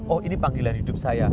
oh ini panggilan hidup saya